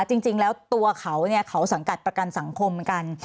จริงแล้วตัวเขาเนี่ยเขาสังกัดประกันสังคมกัน